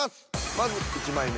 まず１枚目。